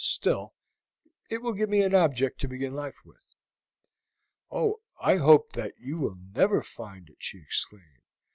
Still, it will give me an object to begin life with." "Oh, I hope that you will never find it!" she exclaimed.